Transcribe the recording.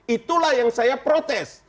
itulah yang saya protes